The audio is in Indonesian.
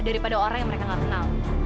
daripada orang yang mereka nggak kenal